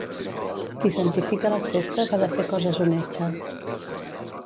Qui santifica les festes ha de fer coses honestes.